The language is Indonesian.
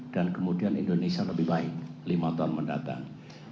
dan kemudian indonesia lebih baik lima tahun mendatang